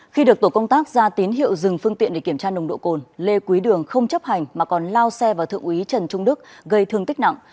khi được tổ công tác ra tín hiệu dừng phương tiện để kiểm tra nồng độ cồn lê quý đường không chấp hành mà còn lao xe vào thượng úy trần trung đức gây thương tích nặng